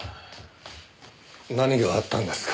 何があったんですか？